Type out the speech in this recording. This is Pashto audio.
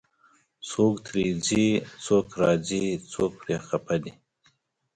څوک ترې ځي، څوک راځي، څوک پرې خفه دی